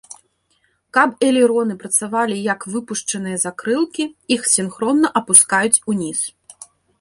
Каб элероны працавалі як выпушчаныя закрылкі, іх сінхронна апускаюць уніз.